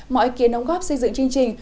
mọi ý kiến ống góp xây dựng chương trình